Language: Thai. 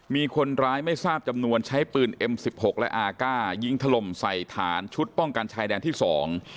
มีคนร้ายไม่ทราบจำนวนใช้ปืนเอ็มสิบหกและอาก้ายิงถล่มใส่ฐานชุดป้องกันชายแดนที่สอง